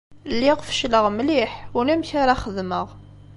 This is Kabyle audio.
Lliɣ fecleɣ mliḥ, ulamek ara xedmeɣ.